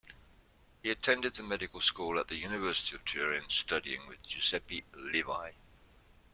He attended the medical school at the University of Turin studying with Giuseppe Levi.